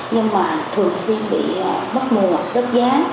nhưng mà thường xuyên bị mất mùa rớt giá